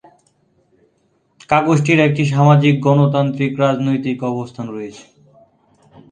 কাগজটির একটি সামাজিক গণতান্ত্রিক রাজনৈতিক অবস্থান রয়েছে।